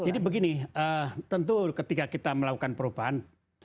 jadi begini tentu ketika kita melakukan perubahan